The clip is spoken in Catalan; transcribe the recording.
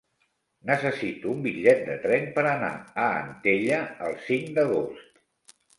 Necessito un bitllet de tren per anar a Antella el cinc d'agost.